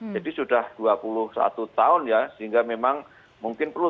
jadi sudah dua puluh satu tahun ya sehingga memang mungkin perlu